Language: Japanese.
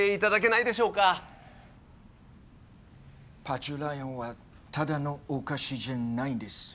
パッチューラーヤンはただのお菓子じゃないんです。